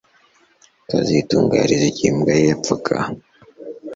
kazitunga yarize igihe imbwa ye yapfaga